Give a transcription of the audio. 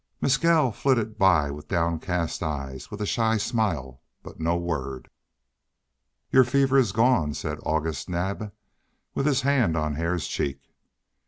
Mescal flitted by with downcast eye, with shy smile, but no word. "Your fever is gone," said August Naab, with his hand on Hare's cheek.